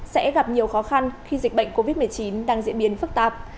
sẽ gặp nhiều khó khăn khi dịch bệnh covid một mươi chín đang diễn biến phức tạp